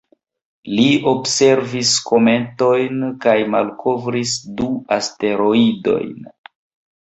Li observis kometojn kaj malkovris du asteroidojn.